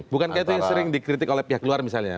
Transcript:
bukankah itu yang sering dikritik oleh pihak luar misalnya